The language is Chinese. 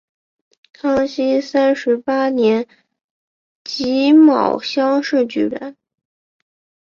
康熙三十八年己卯乡试举人。